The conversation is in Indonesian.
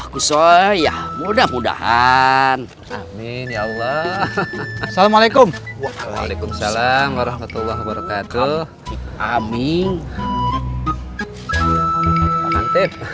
kusaya mudah mudahan amin ya allah assalamualaikum waalaikumsalam warahmatullah wabarakatuh amin